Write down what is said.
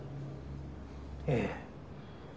ええ。